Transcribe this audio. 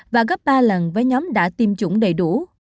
và gấp ba lần với nhóm đã tiêm chủng đầy đủ